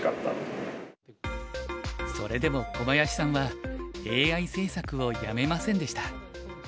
それでも小林さんはＡＩ制作をやめませんでした。